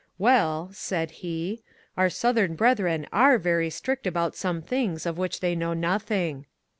^* Well," said he, '^ our Southern brethren are very strict about some things of which they know nothing."